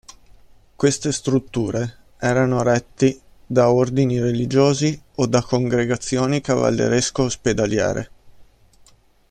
Queste strutture erano retti da ordini religiosi o da congregazioni cavalleresco-ospedaliere.